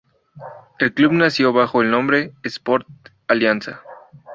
El club nació bajo el nombre "Sport Alianza".